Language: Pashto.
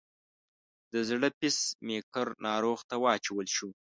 د زړه پیس میکر ناروغ ته واچول شو.